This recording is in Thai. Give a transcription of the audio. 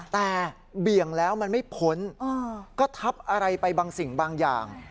แต่เบี่ยงแล้วมันไม่พ้นก็ทับอะไรไปบางสิ่งบางอย่าง